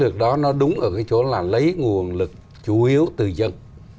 cái chỗ lấy nguồn lực chủ yếu từ dân